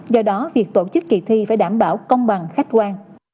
do đó việc tổ chức kỳ thi phải đảm bảo công bằng khách quan